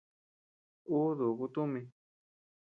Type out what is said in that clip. Uu dúkuu tumi.